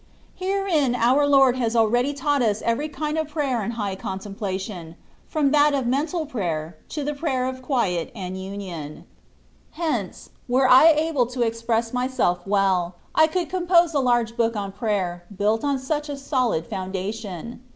Herein our Lord has already taught 188 THE WAY OP PERFECTION. US every kind of prayer and high contemplation^ from that of mental prayer, to the Prayer of Quiet and Union ; hence, were I able to express myself well, I could compose a large book on prayer built on such a sohd foundation.